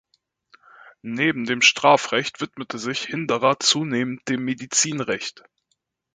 Neben dem Strafrecht widmete sich Hinderer zunehmend dem Medizinrecht.